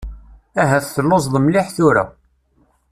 Ahat telluẓeḍ mliḥ tura.